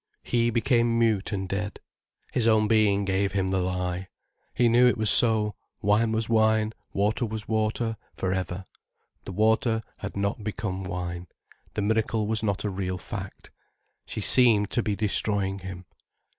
He became mute and dead. His own being gave him the lie. He knew it was so: wine was wine, water was water, for ever: the water had not become wine. The miracle was not a real fact. She seemed to be destroying him.